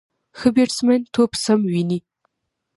ښه بیټسمېن توپ سم ویني.